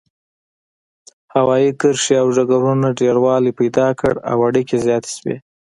هوايي کرښې او ډګرونو ډیروالی پیدا کړ او اړیکې زیاتې شوې.